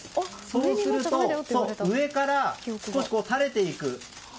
そうすると、上から少し垂れていく。